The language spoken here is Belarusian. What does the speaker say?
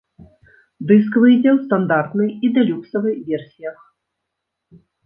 Дыск выйдзе ў стандартнай і дэлюксавай версіях.